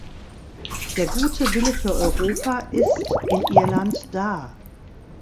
Der gute Wille für Europa ist in Irland da.